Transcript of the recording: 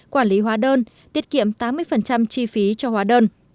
quản lý hóa đơn tiết kiệm tám mươi chi phí cho hóa đơn